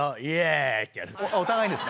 お互いにですね。